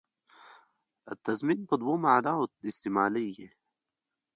تضمین په دوو معناوو استعمالېږي.